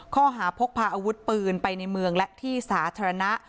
ข้อหาพกพาอาวุธปืนไปในเมืองและที่สาธารณะ